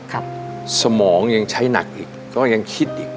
แล้วมองยังใช้หนักอีกเขายังคิดอีก